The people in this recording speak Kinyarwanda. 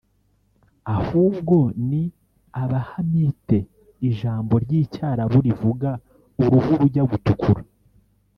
ahubwo ni aba Hamite( Ijambo ry’icyarabu rivuga uruhu rujya gutukura)